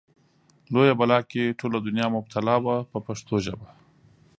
لویه بلا کې ټوله دنیا مبتلا وه په پښتو ژبه.